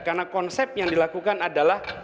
karena konsep yang dilakukan adalah